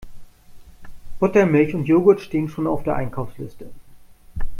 Buttermilch und Jogurt stehen schon auf der Einkaufsliste.